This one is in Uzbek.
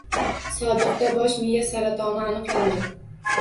Sodiqda bosh miya saratoni aniqlandi